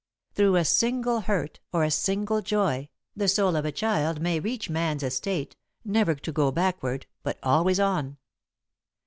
Through a single hurt or a single joy, the soul of a child may reach man's estate, never to go backward, but always on.